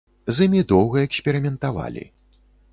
З імі доўга эксперыментавалі.